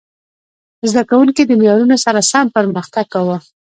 زده کوونکي د معیارونو سره سم پرمختګ کاوه.